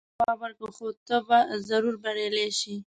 ما ورته ځواب ورکړ: هو، ته به ضرور بریالۍ شې.